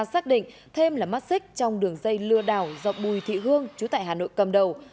xác định thêm là mắt xích trong đường dây lừa đảo do bùi thị hương chú tại hà nội cầm đầu